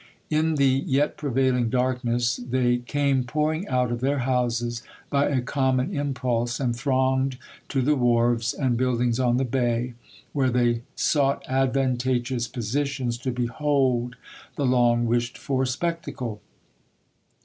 In the yet prevailing darkness they came pouring out of their houses by a common impulse, and thronged to the wharves and buildings on the bay, where they sought advantageous positions to behold the April 12. long wished for spectacle.